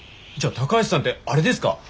じゃあ高橋さんってあれですか？